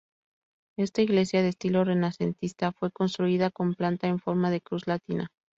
Esta iglesia de estilo renacentista fue construida con planta en forma de cruz latina.